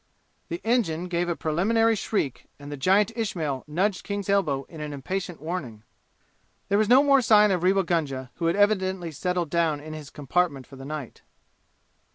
The engine gave a preliminary shriek and the giant Ismail nudged King's elbow in impatient warning. There was no more sign of Rewa Gunga, who had evidently settled down in his compartment for the night.